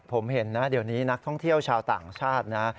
ผมเห็นนะเดี๋ยวนี้นักท่องเที่ยวชาวต่างชาตินะ